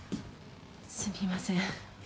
すみません。